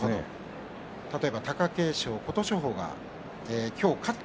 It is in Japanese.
例えば貴景勝、琴勝峰が今日、勝って。